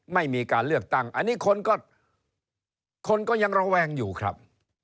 ไม่มีการเลือกตั้งอันนี้คนก็คนก็ยังระแวงอยู่ครับ